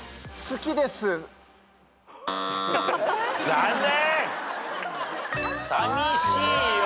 残念！